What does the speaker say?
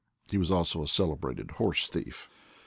He was also a cele brated horse thief.